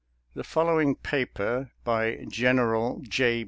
The following paper by General J.